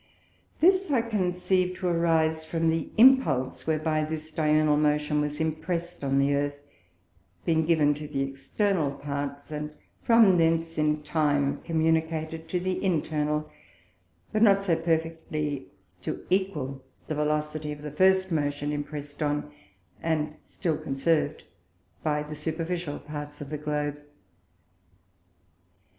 This I conceive to arise from the Impulse whereby this diurnal Motion was imprest on the Earth, being given to the External Parts, and from thence in time communicated to the Internal; but not so as perfectly to equal the Velocity of the first Motion impress'd on, and still conserv'd by the superficial Parts of the Globe.